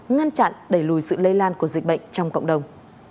ngăn chặn đẩy lùi sự lây lan của dịch bệnh trong cộng đồng